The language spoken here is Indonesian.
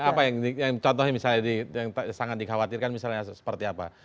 apa yang contohnya misalnya yang sangat dikhawatirkan misalnya seperti apa